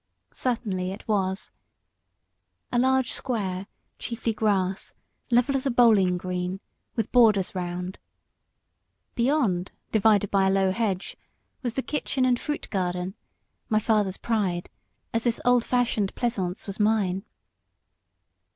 Certainly it was. A large square, chiefly grass, level as a bowling green, with borders round. Beyond, divided by a low hedge, was the kitchen and fruit garden my father's pride, as this old fashioned pleasaunce was mine.